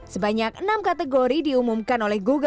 sebanyak enam kategori diumumkan